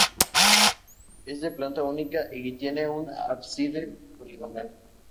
Es de planta única y tiene un ábside poligonal.